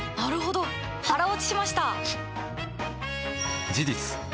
腹落ちしました！